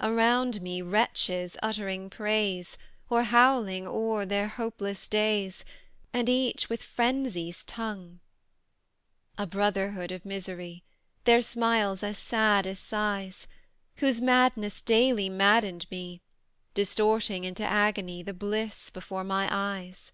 Around me, wretches uttering praise, Or howling o'er their hopeless days, And each with Frenzy's tongue; A brotherhood of misery, Their smiles as sad as sighs; Whose madness daily maddened me, Distorting into agony The bliss before my eyes!